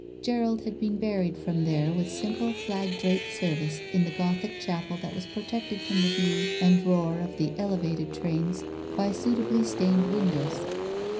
Gerald had been buried from there with simple flag draped service in the Gothic chapel that was protected from the view and roar of the Elevated trains by suitably stained windows.